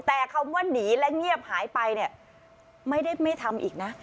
แต่คำว่าหนีและเงียบหายไปเนี่ยไม่ได้ไม่ทำอีกนะ